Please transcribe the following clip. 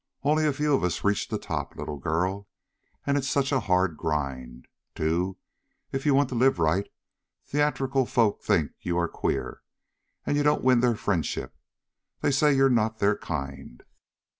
Only a few of us reach the top, little girl, and it's such a hard grind. Too, if you want to live right, theatrical folk think you are queer and you don't win their friendship. They say you're not their kind."